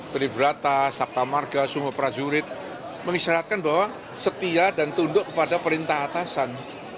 triberata saktamarga semua prajurit mengisyaratkan bahwa setia dan tunduk kepada perintah atasan